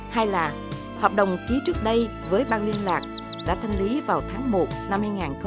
hai là hợp đồng ký trước đây với ban liên lạc đã thanh lý vào tháng một năm hai nghìn hai mươi